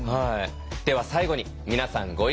では最後に皆さんご一緒に。